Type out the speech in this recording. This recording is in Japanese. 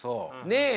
ねえ。